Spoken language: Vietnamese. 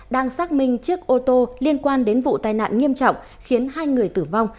đang xác minh chiếc ô tô liên quan đến vụ tai nạn nghiêm trọng khiến hai người tử vong